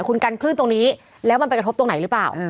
คุณกันคลื่นตรงนี้แล้วมันไปกระทบตรงไหนหรือเปล่า